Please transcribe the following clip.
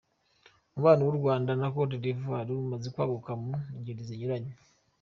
Umubano w’u Rwanda na Côte d’Ivoire umaze kwaguka mu ngeri zinyuranye.